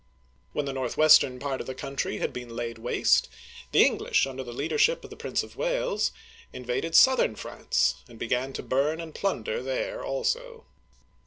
When the northwestern part of the country had been laid waste, the English, under the leadership of the Prince of Wales, invaded southern France and began to bum and plunder there also.